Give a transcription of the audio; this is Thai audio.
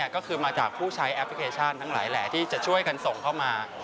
ก็คือมาจากผู้ใช้แอปพลิเคชันทั้งหลายแหละที่จะช่วยกันส่งเข้ามา